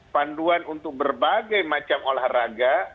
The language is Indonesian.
panduan untuk berbagai macam olahraga